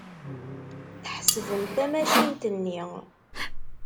Tḥebsem tamacint-nni.